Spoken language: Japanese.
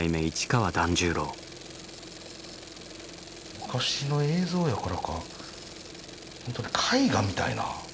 昔の映像やからか本当に絵画みたいな。